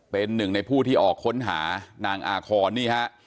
เป็นหนึ่งในผู้ที่ออกค้นหานางอาคอนนี่ฮะ